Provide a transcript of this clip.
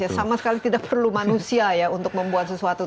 sama sekali tidak perlu manusia ya untuk membuat sesuatu